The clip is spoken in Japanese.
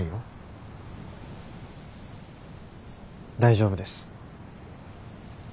大丈夫です。